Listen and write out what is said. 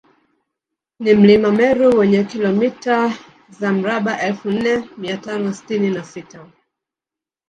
Ni mlima Meru wenye kilomita za mraba elfu nne mia tano sitini na sita